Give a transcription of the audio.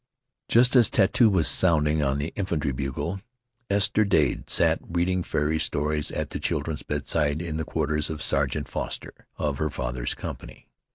Just as tattoo was sounding on the infantry bugle, Esther Dade sat reading fairy stories at the children's bedside in the quarters of Sergeant Foster, of her father's company.